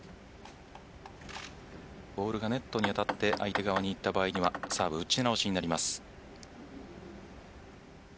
ボールがネットに当たって相手側にいった場合にはサーブの打ち直しになります。